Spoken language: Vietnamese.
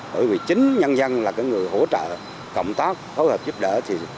bởi vì chính nhân dân là người hỗ trợ cộng tác phối hợp giúp đỡ